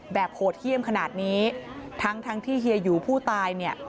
โหดเยี่ยมขนาดนี้ทั้งทั้งที่เฮียหยูผู้ตายเนี่ย